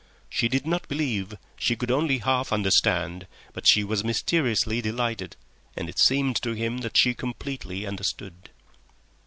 She did not believe, she could only half understand, but she was mysteriously delighted, and it seemed to him that she completely understood.